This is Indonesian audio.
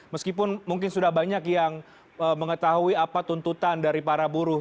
meskipun mungkin sudah banyak yang mengetahui apa tuntutan dari para buruh